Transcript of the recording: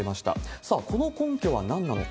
さあ、この根拠はなんなのか。